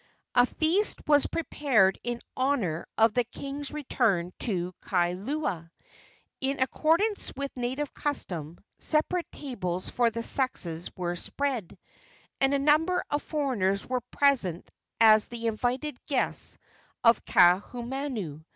A feast was prepared in honor of the king's return to Kailua. In accordance with native custom, separate tables for the sexes were spread, and a number of foreigners were present as the invited guests of Kaahumanu.